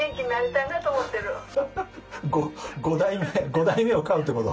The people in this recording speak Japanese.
５代目を飼うってこと？